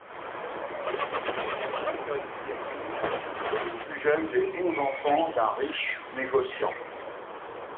Washington Irving est le plus jeune des onze enfants d'un riche négociant.